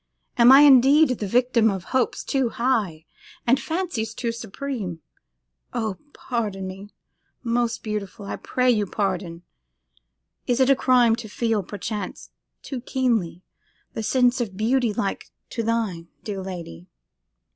Am I indeed the victim of hopes too high and fancies too supreme? Oh! pardon me, most beautiful, I pray your pardon. Is it a crime to feel, perchance too keenly, the sense of beauty like to thine, dear lady?